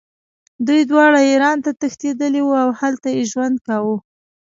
دوی دواړه ایران ته تښتېدلي وو او هلته یې ژوند کاوه.